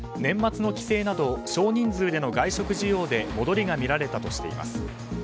年末の帰省など少人数での外食需要で戻りが見られたとしています。